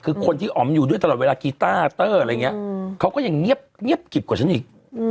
คือคนที่อ๋อมอยู่ด้วยเวลากีตาร์เตอร์เขาก็ยังเงียบกิบกว่าฉันอีก